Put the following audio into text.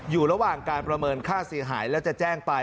อยู่ระหว่างการประเมินค่าเสียหายแล้วจะแจ้งไป